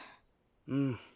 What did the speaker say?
うん。